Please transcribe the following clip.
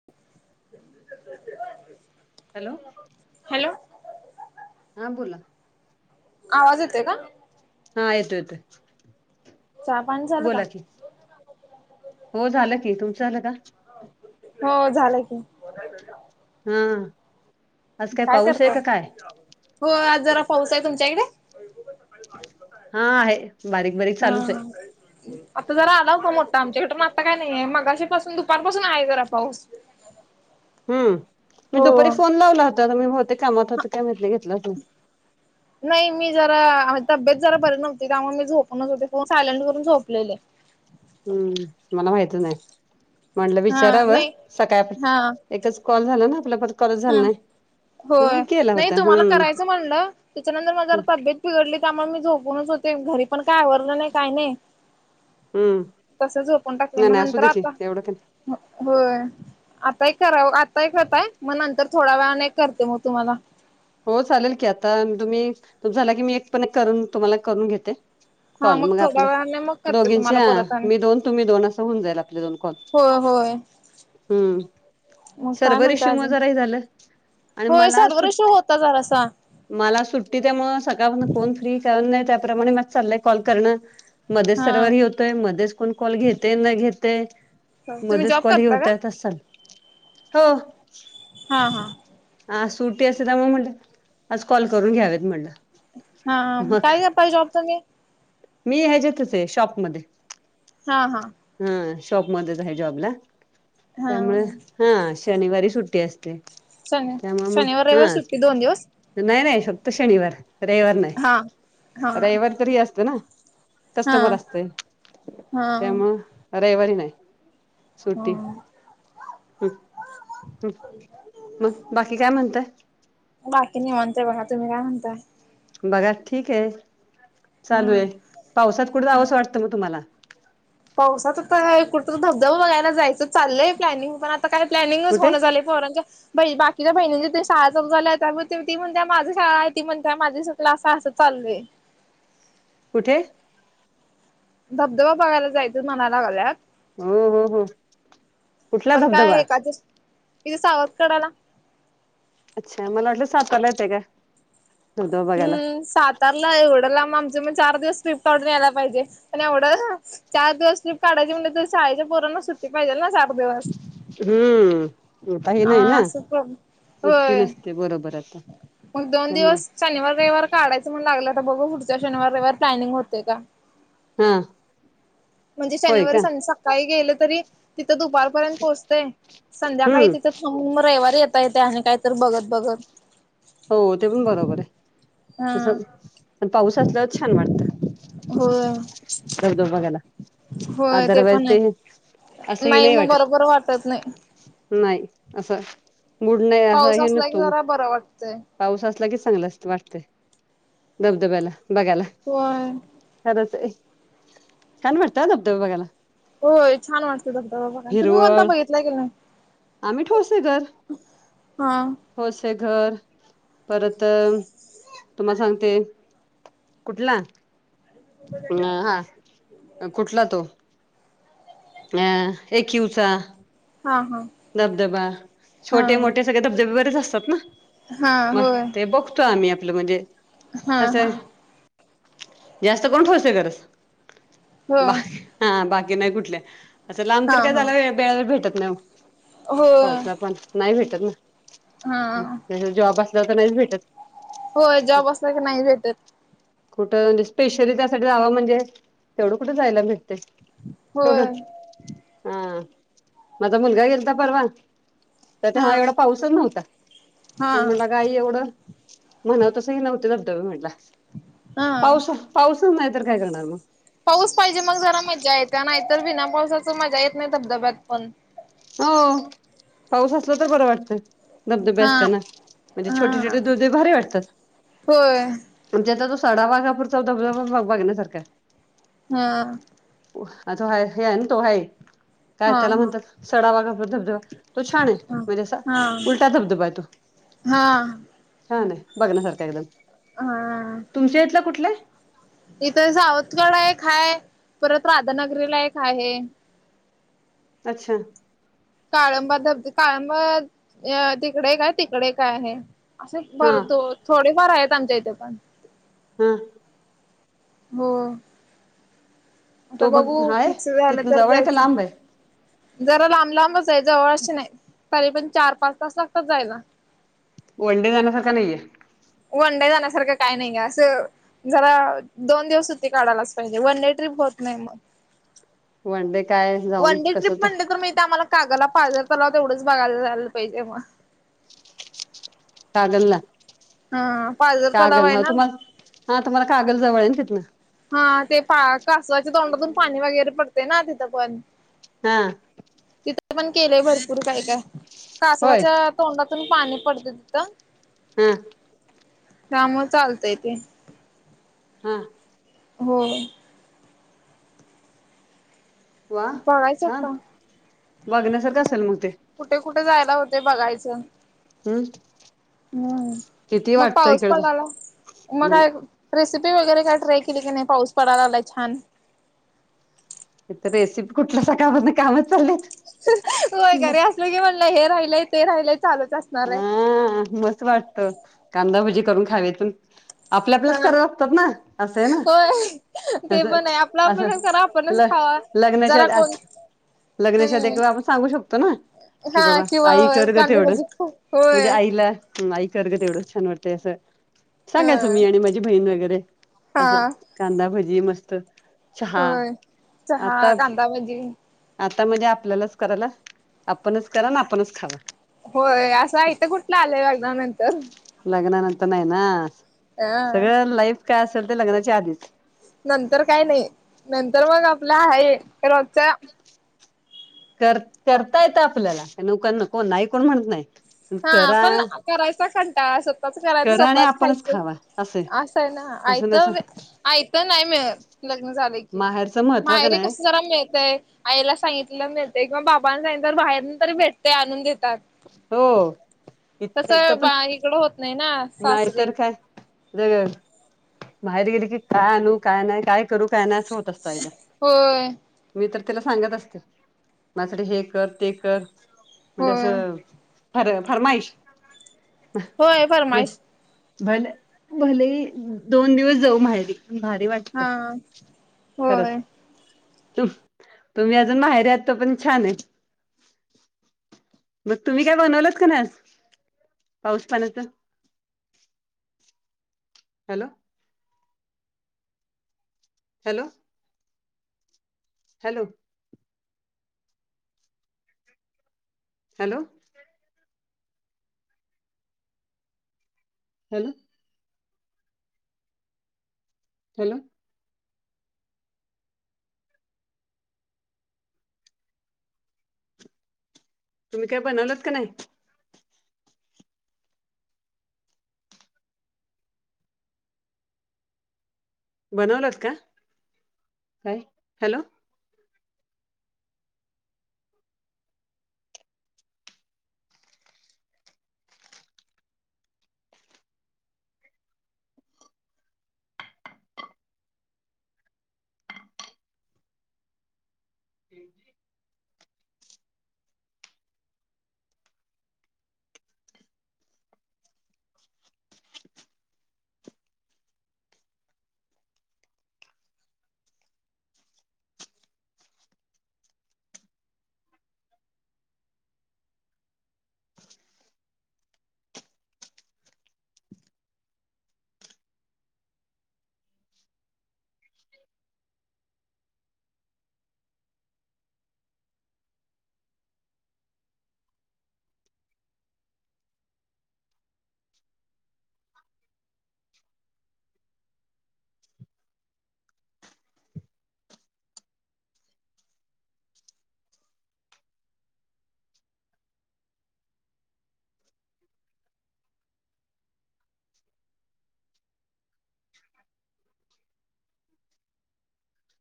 [unintelligible] Hello hello हा बोला. आवाज येतोय का? हा येतोय येतोय. चहा पाणी झालं का? बोला कि हो झालं कि तुमचं झालं का? हो झालं की. हां. काय करताय हो आज जरा पाऊस आहे तुमच्या इकडे? हा आहे बारीक. बारीक हां चालूच आहे हां. आता जरा आला होता मोठा आमच्याकटे मग आता काय नाही आहे मगाशी पासून दुपारपासून आहे जरा पाऊस. हम्म मी दुपारी हो. फोन लावला होता मी होते कामात होते काय माहित नाही घेतलाच नाय. नाही मी जरा तब्येत जरा बरी नव्हती त्यामुळे मी झोपूनच होते फोन सायलेंट करून झोपलेले. हम्म मला माहिती नाही म्हटलं हा विचारावं नाही सकाळ हा एकच कॉल झाला ना आपल्या परत कॉलच हा झाला नाही म्हणून केला होता हां. च म्हणलं त्याच्यानंतर म जरा तब्येत बिघडली त्यामुळे मी झोपूनच होते घरी पण काय आवरलं नाय काही नाय. हम्म तसं झोपून टाकले नाही म नाही असू नंतर दे की आता एवढं काय नाही. होय आताही करावं आताही करताय? मग नंतर थोड्या वेळाने करते म तुम्हाला. हो चालेल की आता तुम्ही झाला की मी एक पण करून तुम्हाला करून घेते. हा कॉल मग थोड्या आपल्या वेळाने मग करते तुम्हाला दोघींच्या परत आणि मी दोन तुम्ही दोन असं होऊन जाईल आपले दोन. कॉल हो होय हम्म मग काय सर्वर म्हणताय इशू म अजून जराही झालं आणि मला आज सुट ता जरासा मला सुट्टी त्यामुळ सकाळपासन कोण फ्री कारण नाही त्याप्रमाणे मात चाललंय कॉल करणं मध्येच हा सर्वर हे होतोय मध्येच कोण कॉल घेते न घेतय तुम्ही मध्येच जॉब कॉल हे करता का होत्यात अस सांग हो हा, हा आज सुटी असते त्यामुळं म्हणलं आज कॉल करून घ्यावेत म्हटलं हा काय का पाहि जॉब तुम्ही मी ह्याज्यातच आहे शॉपमध्ये हा, हा हा शॉपमध्येच आहे जॉबला हा त्यामुळे हा शनिवारी सुट्टी असते शन त्यामुळे मग शनिवार रविवार हा सुट्टी दोन दिवस नाही, नाही फक्त शनिवार रविवार नाही हा हा रविवार तर ही असत ना हा कस्टमर असतय हा त्यामुळ रविवारी नाही हा सुट्टी ह ह मग बाकी काय म्हणताय बाकी निवांत आहे बघा तुम्ही काय म्हणताय बघा ठीक आहे चालू हम्म आहे पावसात कुठं जावंसं वाटतं मग तुम्हाला? पावसाात तर कुठं धबधबबा बघायला जायचं चाललंय प्लॅनिंग पण ता काही प्लॅनिंगच कुठे होणं झाले पोरांच्या ब बाकीच्या बहिणीं ज त शाळा सुरू झाल्या त्यामूळ ती म्हणते माझी शाळा आहे ती म्हणत माझी [unintelligible] असा असं चालू आहे कुठे? धबधबा बघायला जायचां म्हणायला लागल्यात ह, ह, ह कुठला धबधबा? इथ सावत्कडाला अच्छा मला वाटलं सातरला येताय काय हम् सातारला एवढं लांब आमच मग चार दिवस ट्रीप काढून यायला पाहिजे पण एवढ्या चार दिवस ट्रीप काढायची म्हणजे शाळेच्या पोरांना सुट्टी पाहिजे ना चार दिवस हम्म काही नाही हा ना असं सुट्टी होय नसते बरोबर आहे मग दोन त्यामुळ दिवस शनिवार, रविवार काढायचं मण लागलं आता बघ पुढच्या शनिवार, रविवार प्लॅनिंग होतय का ह म्हणजे शनिवारी स सकाळी गेलं तरी तिथं दुपारपर्यंत पोहोचतय संध्याकाळी हम्म तिथं थांब रविवारी येता येतय आणि काय तर बघत, बघत हो ते पण बरोबर हा आहे तस प पाऊस असल्याच छान वाटतंय होय धबधबा बघायला होय ते पण आहे [unintelligible] नाही मग बरोबर वाटत नाही नाही असं मूड नाही असा पाऊस हे असला की नसतो मग जरा बरं वाटतंय पाऊस असला की चांगलच वाटतय धबधब्याला बघायला होय खरंच आहे छान वाटत हा धबधाबा बघायला. होय छान वाटतं धबधबा बघायला तुम्ही कोणता बघितला की नाही? ठोसेगर. हा ठोसेगर परत तुम्हाला सांगते. कुठला हा कुठला तो? अ एक यूवचा. हा हा धबधबा हा छोटे मोठे सगळे धबधबे बरेच असतात ना हा होय मगते बघ - त आम्ही आपलं म्हणजे हा असं हा आहे. जास्त करून ठोसेघरच हो बाई. हा बाकी नाही कुठले असं लांब तर हा काय हा झाला वे वेळा भेटत नाही मग. होय पाऊसला पण नाही भेटत ना हा आणि त्यात जॉब असला तर नाहीच भेटत. होय जॉब असला की नाही भेटतं. कुठं स्पेशली त्यासाठी जावं म्हणजे तेवढं कुठं जायला भेटतय. होय तेवढं हा माझा मुलगा गेलता परवा. तर हा तेव्हा एवढा पाऊसच नव्हता हा म्हणून म्हणला गाई एवढं. म्हणावं तसंही नव्हते धबधबे म्हटला हा पाऊस पाऊसच नाही तर काय करणार मग. पाऊस पाहिजे मग जरा मज्जा येत्या नाहीतर विना पावसाच मज्जा येत नाही धबधब्यात पण हो पाऊस असला तर बरं वाटतंय. धबधबे हा असते ना म्हणजे छोटे हा छोटे दूधे भारी वाटतात. होय म्हणजे आता तो साडा वाघापूरचा धबधबा बग बघण्यासारखा हाय. हा आता हा तो हा हे आहे ना तो हाय काय हा त्याला हा म्हणतात सडावागा धबधबा. तो छान आहे म्हणजे असा हा उलटा धबधबा आहे तो. हा हा छान हाय बघण्यासारखा एकदम. हा तुमच्या इथलं कुठले? इथं सावतकडा एक हाय परत राधानगरीला एक आहे. अच्छा. काळंबा धबध काळंबा तिकडे काय तिकडे काय आहे. असे हा बरं दो थोडेफार आहेत आमच्या इथे पण. हा हो. आता तो बघू मग हाय फिक्स झालं तिथनं तर जवळ आहे का जायचं. लांब आहे जरा लांब लांबच हाय जवळ अशे नाही तरी पण चार पाच तास लागतात जायला. वन डे जाण्यासारखा नाही हाय? वन डे जाण्यासारखं काय नाही असं. जरा दोन दिवस सुट्टी काढायलाच पाहिजे वन डे ट्रीप होत नाही मग. वनडे काय जाऊन वनडे कसं ट्रिप ते म्हटलं तर इथं आम्हाला कागलला पाझर तलाव तेवढंच बघायला जायला पाहिजे मग. कागलला. हा पाझर तलाव कागल आहे हा ना. तुम्हाला हा तुम्हांला कागल जवळ आहे तिथं न. हा ते पा कासवाच्या तोंडातून पाणी वगैरे पडते ना तिथं पण हा, तिथं पण केलंय भरपूर काय काय होय कासवाच्या. तोंडातून पाणी पडतंय तिथं. ह, त्यामुळं चालतंय ते. हा, हो, वा बघायचं छान आता बघण्यासारखं असलं मग ते. कुठे कुठे जायला होतंय बघायचं. हम् होय किती मग वाटतं पाऊस इकडे पडाला मग नाही काय. रेसिपी वगैरे काय ट्राय केली की नाही पाऊस पडाय लागलाय छान. इथं रेसिपी कुठलं सकाळपासन कामच चालेत. होय घरी असलं की म्हणलं हे राहिलय ते राहिलय चालूच असत. आ मस्त वाटतं कांदाभजी करून खावीेतून. आपल्या आपल्याच हा करावं लागतात ना असं आहे ना होय ते असं पण आहे आपलं असं आपणच करा आपणच आपलं. खावा. लग्नांच्या जरा आधी कोण आ. लग्नाच्या आधी हम्म एखादवेळेला आपण सांगू शकतो ना कि हा बाबा किंवा आई कर ग कांदे तेवढं. भाजी म्हणजे होय. आईला आई कर ग तेवढं छान वाटतंय असं. सांगायचो हा मी आणि माझी बहीण वगैरे असं हा कांदा भजी मस्त. चहा होय चहा आता कांदा भाजी. आता म्हणजे आपल्यालाच करायला आपणच करा आणि आपणच खावं. होय असं आयत कुठलं आलंय लग्नानंतर. लग्नानंतर नाही ना अ सगळं लाईफ काय असेल ते लग्नाच्या आधीच. नंतर काय नाही नंतर मग आपलं आहे रोजच. कर करता येत आपल्याला नक कोन नाही कोण म्हणत नाही. पण हा करा पण करायचा कंटाळा असं. स्वतःच करायचं करा आणि स्वतःच आपणच खायचं खावा असे असंय ना असं आयत नसं आयत नाही मिळत. लग्न झाले की माहेरचं महत्त्व का माहेरीे नाही कस जरा मिळतय. आईला सांगितलं मिळत किंवा बाबाना सांगित तर बाहेरन तरी भेटतय आणून देतात. हो, इथ इथं तसं पण बा इकडं होत नाही ना. सासरी नाहीतर काय दगड बाहेर गेली की काय आणू काय नाही काय. करू काय नाय अस होत असतय आईला. होय मी तर तिला सांगत असते माझ्यासाठी हे कर ते कर. म्हणजे होय असं फर फरमाईश. होय. फरमाईश म्ह भले भलेही दोन दिवस जाऊ माहेरी भारी वाट''--'' त हा होय खरंच. अ हं तुम्ही अजून माहेर आहेत तोपर्यंत छान आहे. म तुम्ही काय बनवलत का नाही आज पाऊस पाण्याचं. Hello, hello, hello, hello, hello, hello तुम्ही काय बनवलत का नाही? बनवलत का काय? हॅलो हम् [unintelligible]